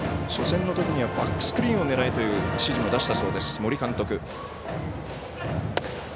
初戦のときにはバックスクリーンを狙えという指示も出したそうです、森監督。